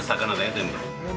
全部。